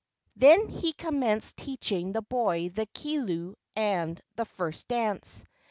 Then he commenced teaching the boy the kilu and the first dance.